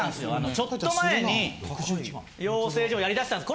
ちょっと前に養成所をやり出したんです。